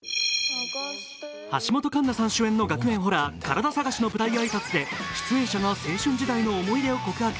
橋本環奈さん主演の学園ホラー「カラダ探し」の舞台挨拶で出演者が青春時代の思い出を告白。